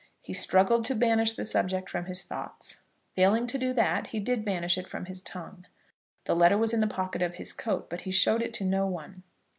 He struggled to banish the subject from his thoughts. Failing to do that, he did banish it from his tongue. The letter was in the pocket of his coat; but he showed it to no one.